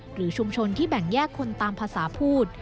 หรือชุมชนที่แบ่งแยกคนตามภาษาพูด